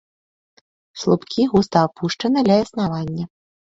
Слупкі густа апушаны ля аснавання.